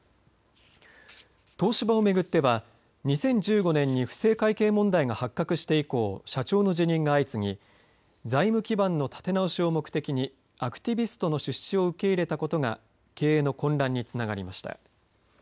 東芝を巡っては２０１５年に不正会計問題が発覚して以降社長の辞任が相次ぎ財務基盤の立て直しを目的にアクティビストの出資を受け入れたことが経営の混乱につながりました。